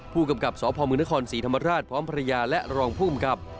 ผู้กำกับสพมนครศรีธรรมราชพร้อมภรรยาและรองภูมิกับ